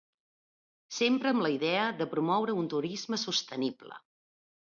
Sempre amb la idea de promoure un turisme sostenible.